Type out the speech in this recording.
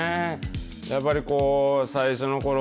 やっぱりこう、最初のころ